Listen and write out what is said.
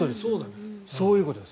そういうことです。